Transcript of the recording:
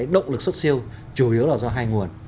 động lực xuất siêu chủ yếu là do hai nguồn